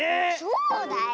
そうだよ。